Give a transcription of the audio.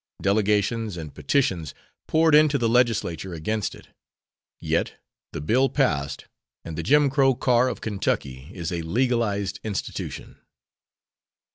Delegations and petitions poured into the Legislature against it, yet the bill passed and the Jim Crow Car of Kentucky is a legalized institution.